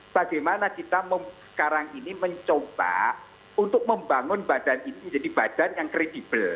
bagaimana kita sekarang ini mencoba untuk membangun badan ini jadi badan yang kredibel